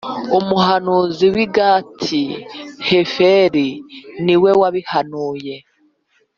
Umuhanuzi w i Gati Heferi niwe wabihanuye